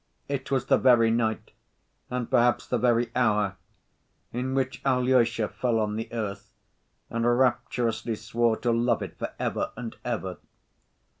It was the very night, and perhaps the very hour, in which Alyosha fell on the earth, and rapturously swore to love it for ever and ever.